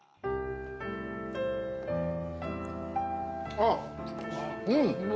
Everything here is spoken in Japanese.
ああうん。